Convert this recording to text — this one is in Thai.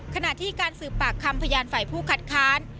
ขณะที่การสืบปากคำพยานฝ่ายผู้คัดค้าน